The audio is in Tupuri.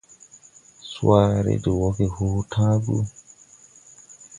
Swaare de wɔge hoo tããgu.